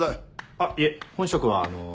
あっいえ本職はあの。